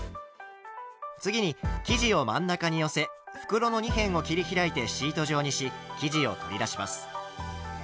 次に生地を真ん中に寄せ袋の二辺を切り開いてシート状にし生地を取り出します。